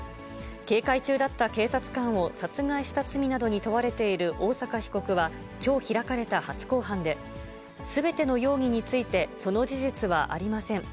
警戒中だった警察官を殺害した罪などに問われている大坂被告は、きょう開かれた初公判で、すべての容疑について、その事実はありません。